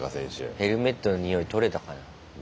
ヘルメットのにおい取れたかな。